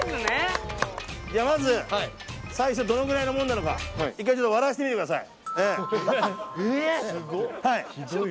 まず最初どのくらいのものなのか笑わせてみてください。